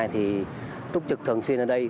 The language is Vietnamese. thì túc trực thường xuyên ở đây